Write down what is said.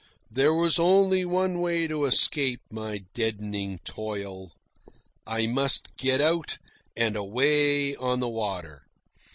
There was only one way to escape my deadening toil. I must get out and away on the water.